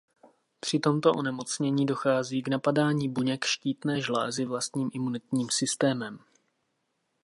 Při tomto onemocnění dochází k napadání buněk štítné žlázy vlastním imunitním systémem.